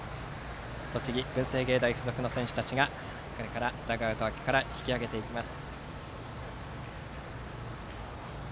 栃木・文星芸大付属の選手たちがダグアウト脇から引き上げていきます。